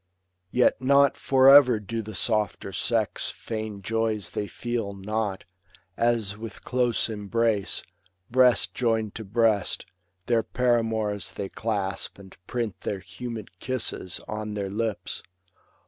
Yet not for ever do the softer sex Feign joys they feel not, as with close embrace. Breast join'd to breast, their paramours they clasp, And print their humid kisses on their lips.